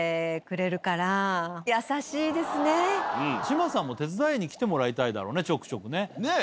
志麻さんも手伝いに来てもらいたいだろうねちょくちょくね。ねぇ！